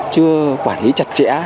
chưa quản lý chặt chẽ